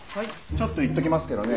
ちょっと言っときますけどね。